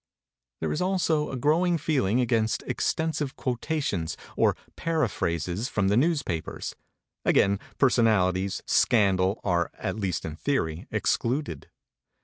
There is also a growing feeling against extensive quotations or paraphrases from the newspapers. Again, personalities, scandal, are, at least in theory, excluded.